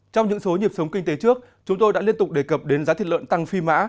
trong những số nhịp sống kinh tế trước chúng tôi đã liên tục đề cập đến giá thịt lợn tăng phi mã